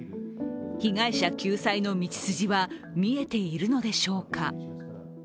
被害者救済の道筋は見えているのでしょうか。